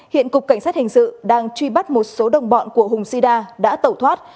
hiện cục cảnh sát hình sự đang truy bắt một số đồng bọn của hùng sida đã tẩu thoát